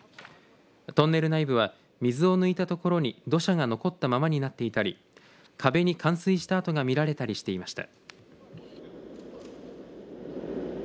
トンネル内部は水を抜いたところに土砂が残ったままになっていたり壁に冠水した跡が見られたりしていました。